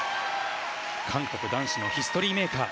韓国男子のヒストリーメーカー。